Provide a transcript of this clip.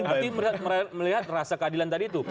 artinya melihat rasa keadilan tadi itu